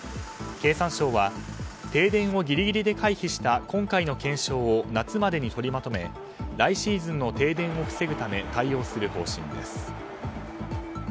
経産省は停電をギリギリで回避した今回の検証を夏までに取りまとめ来シーズンの停電を防ぐため対応する方針です。